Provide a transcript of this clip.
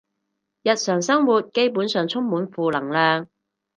日常生活基本上充滿負能量